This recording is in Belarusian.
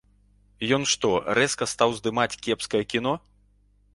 Ён што, рэзка стаў здымаць кепскае кіно?